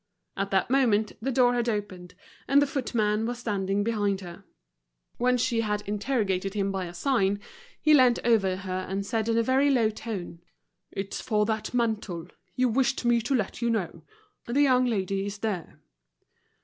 At that moment the door had opened and the footman was standing behind her. When she had interrogated him by a sign, he leant over her and said in a very low tone: "It's for that mantle. You wished me to let you know. The young lady is there."